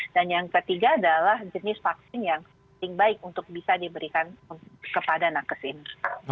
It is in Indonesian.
yang ketiga adalah jenis vaksin yang paling baik untuk bisa diberikan kepada nakes ini